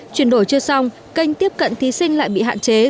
chuyển đổi chưa xong kênh tiếp cận thí sinh lại bị hạn chế